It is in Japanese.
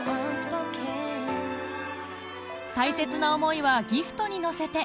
大切な思いはギフトに乗せて